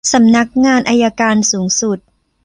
สำนักงานอัยการสูงสุด